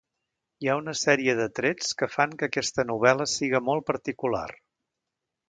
Hi ha una sèrie de trets que fan que aquesta novel·la siga molt particular.